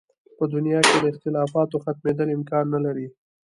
په دې دنیا کې د اختلافاتو ختمېدل امکان نه لري.